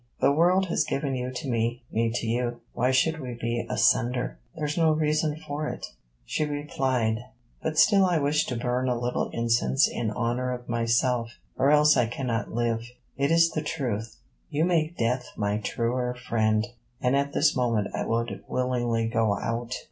The world has given you to me, me to you. Why should we be asunder? There's no reason in it.' She replied: 'But still I wish to burn a little incense in honour of myself, or else I cannot live. It is the truth. You make Death my truer friend, and at this moment I would willingly go out.